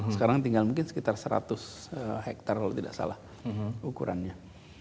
sekarang tinggal mungkin sekitar seratus hektar kalau tidak salah ukurannya